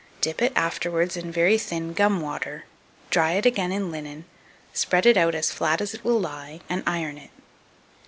Dip it afterwards in very thin gum water, dry it again in linen, spread it out as flat as it will lie, and iron it.